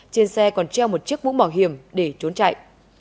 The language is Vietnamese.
trên xe còn treo một chiếc mũ bảo hiểm để trốn chạy